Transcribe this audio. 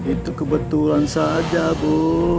itu kebetulan saja bu